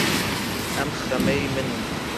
ئەم خەمەی من